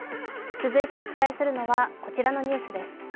続いてお伝えするのは、こちらのニュースです。